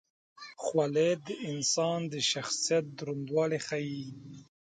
خولۍ د انسان د شخصیت دروندوالی ښيي.